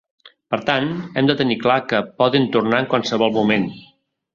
Per tant, hem de tenir clar que poden tornar en qualsevol moment.